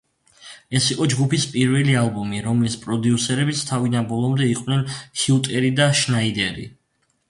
ეს იყო ჯგუფის პირველი ალბომი, რომლის პროდიუსერებიც თავიდან ბოლომდე იყვნენ ჰიუტერი და შნაიდერი.